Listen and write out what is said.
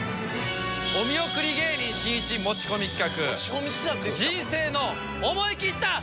お見送り芸人しんいち持ち込み企画人生の思い切った恩返し！